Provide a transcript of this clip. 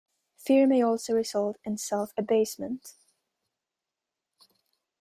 Fear may also result in self-abasement.